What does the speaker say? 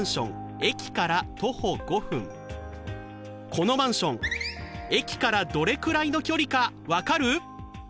このマンション駅からどれくらいの距離か分かる？